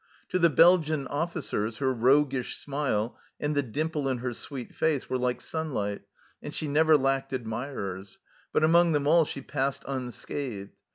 To the Belgian officers her roguish smile and the dimple in her sweet face were like sunlight, and she never lacked admirers, but through them all she passed unscathed.